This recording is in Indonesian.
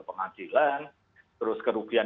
pengadilan terus kerugian